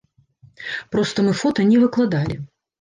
Проста мы фота не выкладалі.